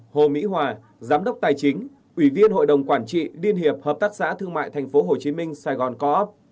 hồ mỹ hòa giám đốc tài chính ủy viên hội đồng quản trị liên hiệp hợp tác xã thương mại tp hcm sài gòn co op